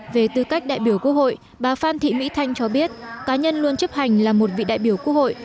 về tư cách đại biểu quốc hội bà phan thị mỹ thanh cho biết cá nhân luôn chấp hành là một vị đại biểu quốc hội